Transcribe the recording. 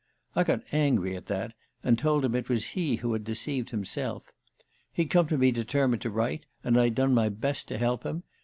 I got angry at that, and told him it was he who had deceived himself. He'd come to me determined to write, and I'd done my best to help him.